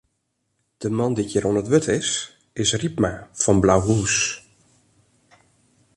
De man dy't hjir oan it wurd is, is Rypma fan Blauhûs.